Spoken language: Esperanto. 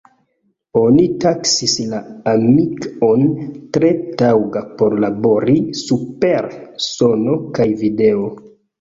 Oni taksis la "Amiga-on" tre taŭga por labori super sono kaj video.